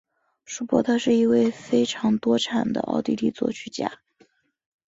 舒伯特是一位非常多产的奥地利作曲家。